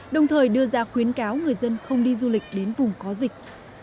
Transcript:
đồng thời đưa ra khuyến cáo người dân không đi du lịch đến vùng có dịch